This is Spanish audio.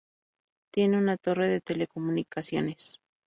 Tiene una torre de telecomunicaciones.